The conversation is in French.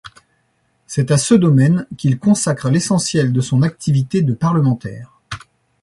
C’est à ce domaine qu’il consacre l’essentiel de son activité de parlementaire.